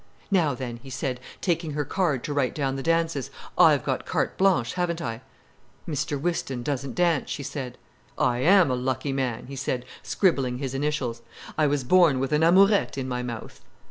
"Now then," he said, taking her card to write down the dances, "I've got carte blanche, haven't I?" "Mr Whiston doesn't dance," she said. "I am a lucky man!" he said, scribbling his initials. "I was born with an amourette in my mouth."